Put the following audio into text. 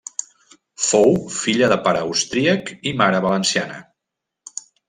Fou filla de pare austríac i mare valenciana.